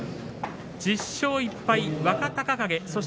１０勝１敗、若隆景。